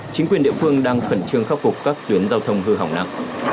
chính quyền địa phương đang khẩn trương khắc phục các tuyến giao thông hư hỏng nặng